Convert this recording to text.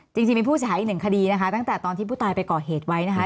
จริงมีผู้เสียหายอีกหนึ่งคดีนะคะตั้งแต่ตอนที่ผู้ตายไปก่อเหตุไว้นะคะ